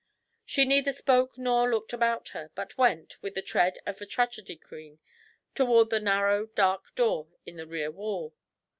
She neither spoke nor looked about her, but went, with the tread of a tragedy queen, toward that narrow dark door in the rear wall.